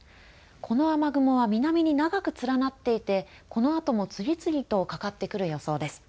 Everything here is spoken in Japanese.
この雨雲は南に長く連なっていてこのあとも次々とかかってくる予想です。